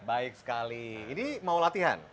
baik sekali ini mau latihan